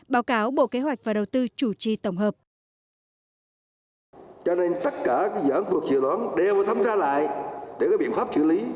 báo cáo bộ kế hoạch và đầu tư chủ trì tổng hợp